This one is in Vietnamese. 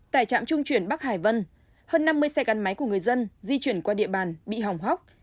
tại trạm trung chuyển bắc hải vân hơn năm mươi xe gắn máy của người dân di chuyển qua địa bàn bị hỏng hóc